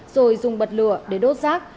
rồi dùng bật lửa để đốt rác